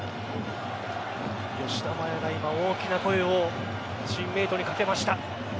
吉田麻也が今、大きな声をチームメートに掛けました。